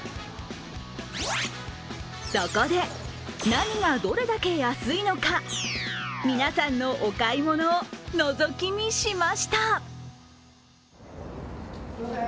そこで、何がどれだけ安いのか、皆さんのお買い物をのぞき見しました。